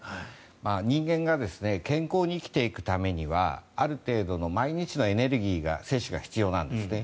人間が健康に生きていくためにはある程度の毎日のエネルギーが摂取が必要なんですね。